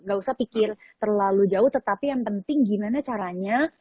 gak usah pikir terlalu jauh tetapi yang penting gimana caranya